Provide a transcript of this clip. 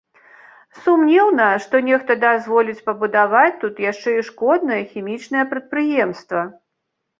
Сумнеўна, што нехта дазволіць пабудаваць тут яшчэ і шкоднае хімічнае прадпрыемства.